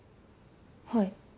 はい。